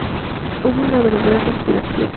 Hubo una verdadera conspiración.